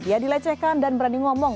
ia dilecehkan dan berani ngomong